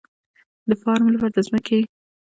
د فارم لپاره د ځمکې ښه انتخاب د تولید تضمینوي.